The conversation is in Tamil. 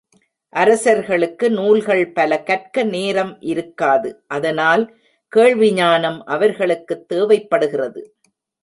அரசர்களுக்கு நூல்கள் பல கற்க நேரம் இருக்காது அதனால் கேள்விஞானம் அவர்களுக்குத் தேவைப்படுகிறது.